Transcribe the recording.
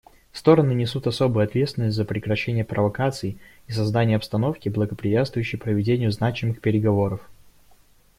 Стороны несут особую ответственность за прекращение провокаций и создание обстановки, благоприятствующей проведению значимых переговоров.